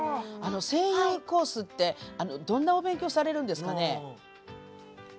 声優コースってどんなお勉強されるんですかね？